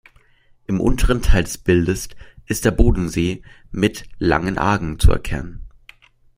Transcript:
Im unteren Teil des Bildes ist der Bodensee mit Langenargen zu erkennen.